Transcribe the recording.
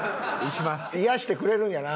癒やしてくれるんやな？